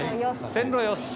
線路よし。